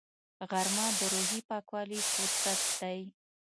غرمه د روحي پاکوالي فرصت دی